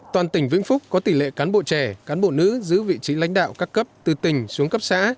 toàn tỉnh vĩnh phúc có tỷ lệ cán bộ trẻ cán bộ nữ giữ vị trí lãnh đạo các cấp từ tỉnh xuống cấp xã